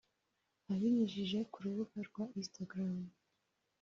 Abinyujije ku rubuga rwa Instagram